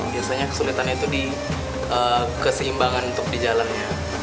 biasanya kesulitan itu di keseimbangan untuk dijalannya